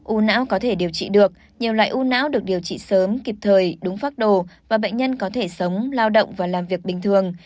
u não có thể điều trị được nhiều loại u não được điều trị sớm kịp thời đúng pháp đồ và bệnh nhân có thể sống lao động và làm việc bình thường